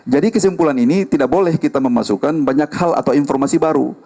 jadi kesimpulan ini tidak boleh kita memasukkan banyak hal atau informasi baru